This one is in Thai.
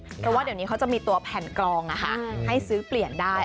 เพราะว่าเดี๋ยวนี้เขาจะมีตัวแผ่นกลองให้ซื้อเปลี่ยนได้